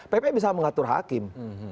pp bisa mengatur hakim